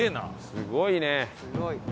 すごいね！